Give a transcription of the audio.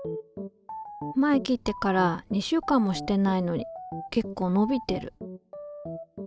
前切ってから２週間もしてないのに結構伸びてる。